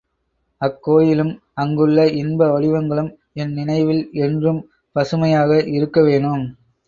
அக்கோயிலும் அங்குள்ள இன்ப வடிவங்களும் என் நினைவில் என்றும் பசுமையாக இருக்க வேணும்.